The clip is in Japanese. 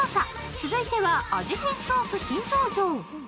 続いては、味変ソース新登場。